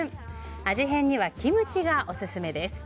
味変にはキムチがオススメです。